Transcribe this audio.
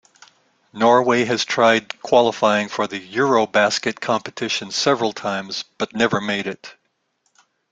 Norway has tried qualifying for the Eurobasket competition several times, but never made it.